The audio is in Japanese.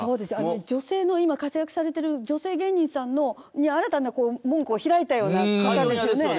女性の今、活躍されてる、女性芸人さんに、新たな門戸を開いたような方ですよね。